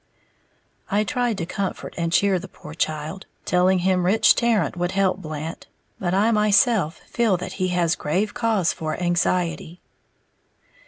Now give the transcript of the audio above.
I tried to comfort and cheer the poor child, telling him Rich Tarrant would help Blant, but I myself feel that he has grave cause for anxiety.